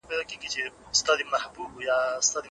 ایا ته د دي شیانو نومونه پیژني؟